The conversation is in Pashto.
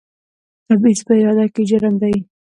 تبعیض په اداره کې جرم دی